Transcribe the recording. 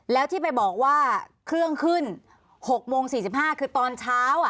แล้วที่ไปบอกว่าเครื่องขึ้นหกโมงสี่สิบห้าคือตอนเช้า